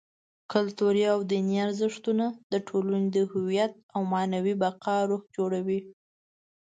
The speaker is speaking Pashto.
کلتوري او دیني ارزښتونه: د ټولنې د هویت او معنوي بقا روح جوړوي.